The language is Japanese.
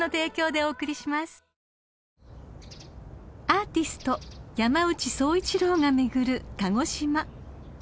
［アーティスト山内総一郎が巡る鹿児島］